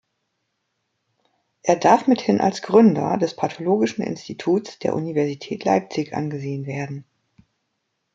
Er darf mithin als Gründer des Pathologischen Instituts der Universität Leipzig angesehen werden.